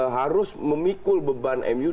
harus memikul beban mu